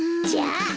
じゃあ。